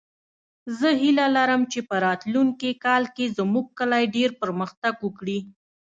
زه هیله لرم چې په راتلونکې کال کې زموږ کلی ډېر پرمختګ وکړي